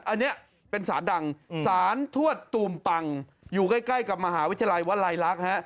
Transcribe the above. อันนี้เป็นสารดังสารทวดตูมปังอยู่ใกล้กับมหาวิทยาลัยวลัยลักษณ์